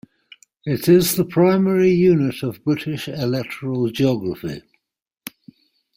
It is the primary unit of British electoral geography.